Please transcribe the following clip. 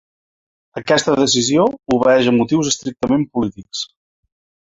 Aquesta decisió obeeix a motius estrictament polítics.